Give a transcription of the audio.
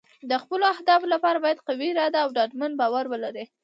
د خپلو اهدافو لپاره باید قوي اراده او ډاډمن باور ولرو.